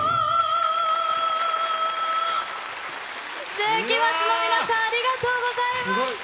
聖飢魔ＩＩの皆さん、ありがとうございました。